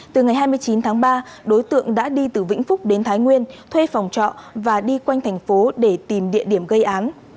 từ ngày hai mươi chín tháng ba đối tượng đã đi từ vĩnh phúc đến thái nguyên thuê phòng trọ và đi quanh thành phố để tìm địa điểm gây án